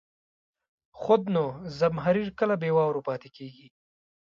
خود نو، زمهریر کله بې واورو پاتې کېږي.